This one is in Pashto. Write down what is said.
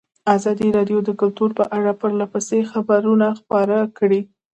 ازادي راډیو د کلتور په اړه پرله پسې خبرونه خپاره کړي.